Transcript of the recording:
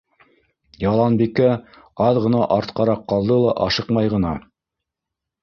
Яланбикә аҙ ғына артҡараҡ ҡалды ла ашыҡмай ғына: